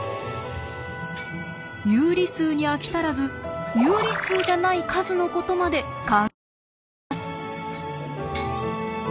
有理数に飽き足らず有理数じゃない数のことまで考え始めます。